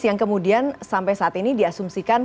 yang kemudian sampai saat ini diasumsikan